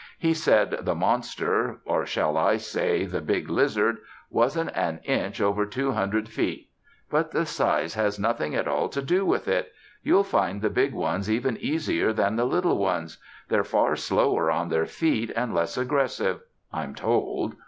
He said the monster, or shall I say, the big lizard? wasn't an inch over two hundred feet. But the size has nothing at all to do with it. You'll find the big ones even easier than the little ones. They're far slower on their feet and less aggressive, I'm told.